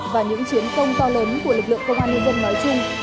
và những chiến công to lớn của lực lượng công an nhân dân nói chung